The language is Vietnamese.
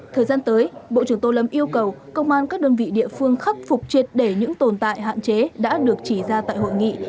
thời gian tới bộ trưởng tô lâm yêu cầu công an các đơn vị địa phương khắc phục triệt để những tồn tại hạn chế đã được chỉ ra tại hội nghị